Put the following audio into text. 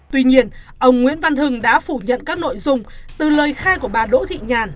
tuy nhiên ông nguyễn văn hưng đã phủ nhận các nội dung từ lời khai của bà đỗ thị nhàn